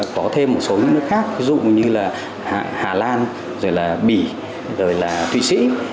có thêm một số những nước khác ví dụ như là hà lan rồi là bỉ rồi là thụy sĩ